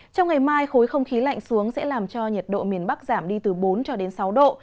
trong ngày mai khối không khí lạnh xuống sẽ làm cho nhiệt độ miền bắc giảm đi từ bốn cho đến sáu độ